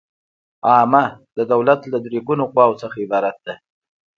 عامه د دولت له درې ګونو قواوو څخه عبارت ده.